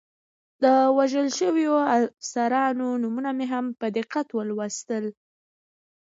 د وژل شویو افسرانو نومونه مې هم په دقت سره ولوستل.